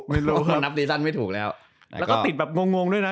ไม่รู้ว่านับซีซั่นไม่ถูกแล้วแล้วก็ติดแบบงงงด้วยนะ